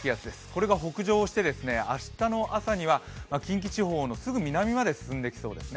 これが北上して、明日の朝には近畿地方のすぐ南まで進んできそうです。